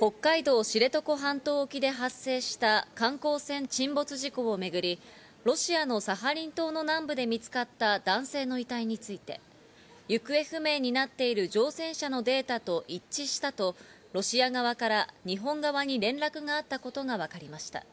北海道・知床半島沖で発生した観光船沈没事故をめぐり、ロシアのサハリン島の南部で見つかった男性の遺体について、行方不明になっている乗船者のデータと一致したと、ロシア側から日本側に連絡があったことがわかりました。